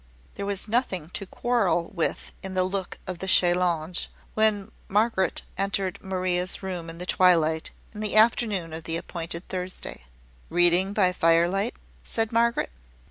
There was nothing to quarrel with in the look of the chaise longue, when Margaret entered Maria's room in the twilight, in the afternoon of the appointed Thursday. "Reading by fire light?" said Margaret.